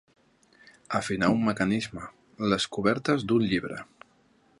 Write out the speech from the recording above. Afinar un mecanisme, les cobertes d'un llibre.